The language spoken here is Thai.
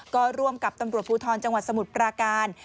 ก็ร่วมกับตำรวจภูทรจังหวัดสมุทรปราการ